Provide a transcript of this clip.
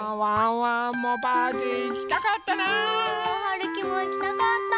るきもいきたかった。